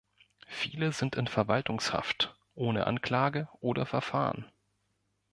Viele sind in "Verwaltungshaft", ohne Anklage oder Verfahren.